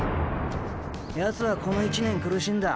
ヤツはこの１年苦しんだ。